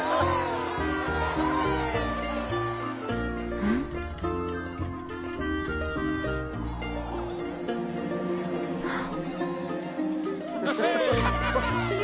うん？あっ。